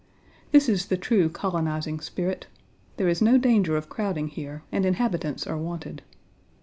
This is the true colonizing spirit. There is no danger of crowding here and inhabitants are wanted.